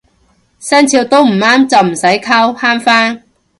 生肖都唔啱就唔使溝慳返